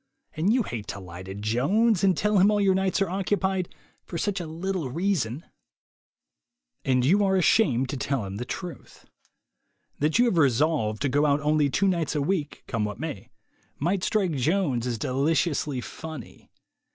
And you hate to lie to Jones, and tell him all your nights are occupied, for such a 6 THE WAY TO WILL POWER little reason. And you are ashamed to tell him the truth. That you have resolved to go out only two nights a week, come what may, might strike Jones as deliciously funny.